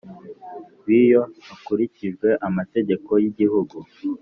b iyo hakurikijwe amategeko y Igihugu